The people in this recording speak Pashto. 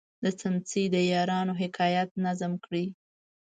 د څمڅې د یارانو حکایت نظم کړی.